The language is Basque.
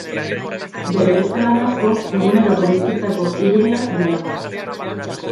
Bere beste lan asko eguneroko bizitzako irudiak dira.